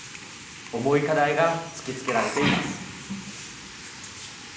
重い課題が突きつけられています。